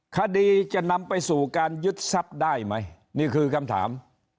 คดีจะนำไปสู่การยึดทรัพย์ได้ไหมนี่คือคำถาม